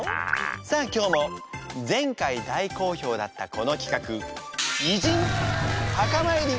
さあ今日も前回大好評だったこの企画偉人墓参り！